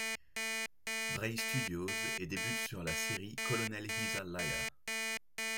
Bray Studios et débute sur la série Colonel Heeza Liar.